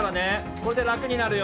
これで楽になるよ